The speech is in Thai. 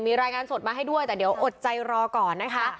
มีรายงานสดมาให้ด้วยแต่เดี๋ยวอดใจรอก่อนนะคะ